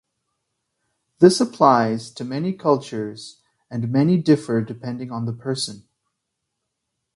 This applies to many cultures and may differ depending on the person.